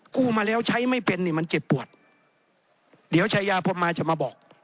กู้มาแล้วใช้ไม่เป็นนี่มันเจ็บปวดเดี๋ยวชายาพรมมาจะมาบอก